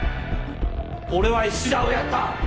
俺は衣氏田をやった